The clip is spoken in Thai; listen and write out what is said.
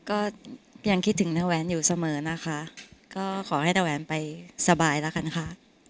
ก็ยังคิดถึงน้าแหวนอยู่เสมอนะคะก็ขอให้น้าแหวนไปสบายแล้วกันค่ะ